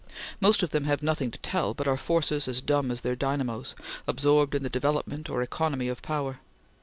Most of them have nothing to tell, but are forces as dumb as their dynamos, absorbed in the development or economy of power.